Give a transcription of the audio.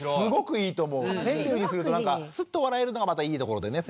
川柳にするとなんかスッと笑えるのがまたいいところでね。